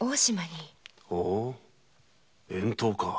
ほう遠島か。